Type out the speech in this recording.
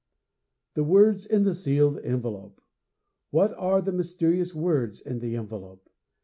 The words in the sealed envelope! What are the mysterious words in the envelope?